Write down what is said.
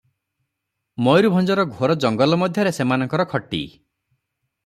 ମୟୁରଭଞ୍ଜର ଘୋର ଜଙ୍ଗଲ ମଧ୍ୟରେ ସେମାନଙ୍କର ଖଟି ।